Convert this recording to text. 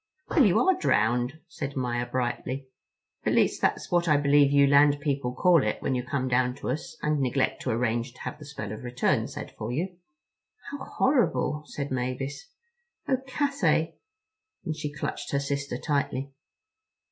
"Well, you are drowned," said Maia brightly. "At least that's what I believe you land people call it when you come down to us and neglect to arrange to have the spell of return said for you." "How horrible," said Mavis. "Oh, Cathay," and she clutched her sister tightly.